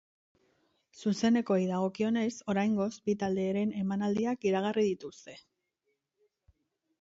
Zuzenekoei dagokienez, oraingoz bi talderen emanaldiak iragarri dituzte.